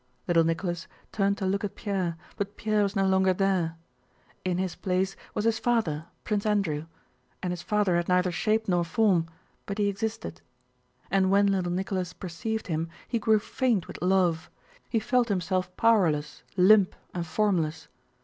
Little Nicholas turned to look at Pierre but Pierre was no longer there. In his place was his father—Prince Andrew—and his father had neither shape nor form, but he existed, and when little Nicholas perceived him he grew faint with love: he felt himself powerless, limp, and formless.